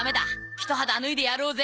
ひと肌脱いでやろうぜ。